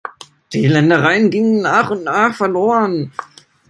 Die Ländereien gingen nach und nach verloren.